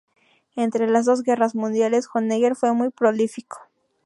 Entre las dos guerras mundiales Honegger fue muy prolífico.